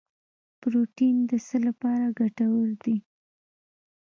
پروټین د څه لپاره ګټور دی